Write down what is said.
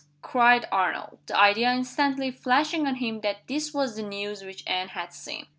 cried Arnold; the idea instantly flashing on him that this was the news which Anne had seen.